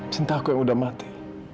cinta aku yang udah mati